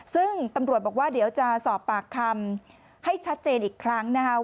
ซึ่งตำรวจบอกว่าเดี๋ยวจะสอบปากคำให้ชัดเจนอีกครั้งนะครับ